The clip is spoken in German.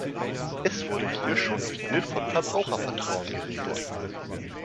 Es wurde hier schon viel von Verbrauchervertrauen geredet.